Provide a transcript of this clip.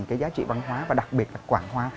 cái giá trị văn hóa và đặc biệt là quảng hóa